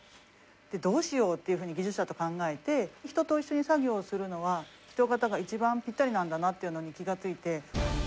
どうしようっていうふうに技術者と考えて、人と一緒に作業するのは、人型が一番ぴったりなんだなっていうのに気が付いて。